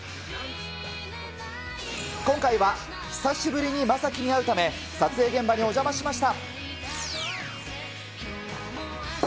今回は久しぶりに将暉に会うため、撮影現場にお邪魔しました。